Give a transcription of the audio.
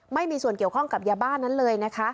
ไม่มีส่วนเกี่ยวข้องกับยาบ้านนั้นเลยนะคะ